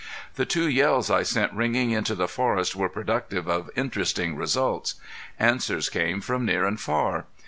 The two yells I sent ringing into the forest were productive of interesting results. Answers came from near and far.